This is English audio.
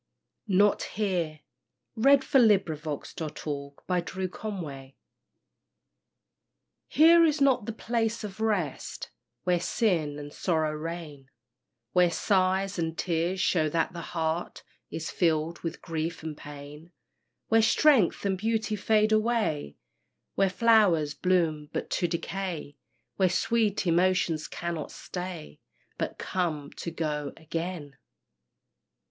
F. J. Ochse._ BEACONSFIELD. NOT HERE. Here is not the place of rest, Where sin and sorrow reign; Where sighs and tears show that the heart Is filled with grief and pain; Where strength and beauty fade away; Where flowers bloom but to decay; Where sweet emotions cannot stay, But come to go again.